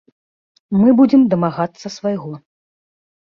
Мы будзем дамагацца свайго.